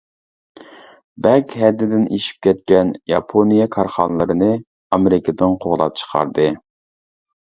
«بەك ھەددىدىن ئېشىپ كەتكەن» ياپونىيە كارخانىلىرىنى ئامېرىكىدىن قوغلاپ چىقاردى.